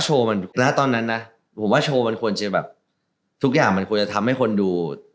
ณตอนนั้นนะผมว่าโชว์มันควรจะแบบทุกอย่างมันควรจะทำให้คนดู